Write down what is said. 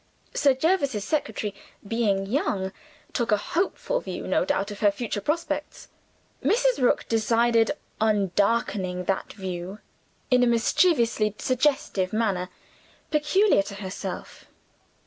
Sir Jervis's secretary (being young) took a hopeful view no doubt of her future prospects. Mrs. Rook decided on darkening that view in a mischievously suggestive manner, peculiar to herself.